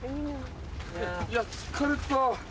いや疲れた。